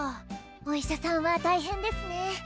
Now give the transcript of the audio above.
お医者さんは大変ですね。